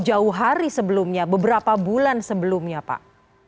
jauh hari sebelumnya beberapa bulan sebelumnya pak